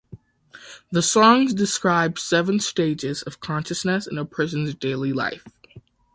The songs describe seven stages of consciousness in a person's daily life.